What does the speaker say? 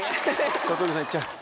小峠さんいっちゃう？